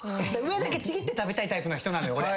上だけちぎって食べたいタイプの人なのよ